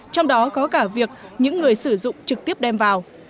trong đó có cả việc những người sử dụng trực tiếp đem vào